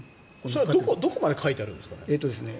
それはどこまで書いてあるんですかね。